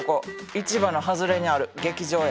市場の外れにある劇場や。